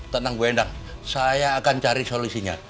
tentang bu endang saya akan cari solusinya